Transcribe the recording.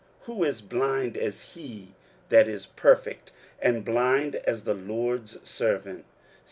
who is blind as he that is perfect, and blind as the LORD's servant?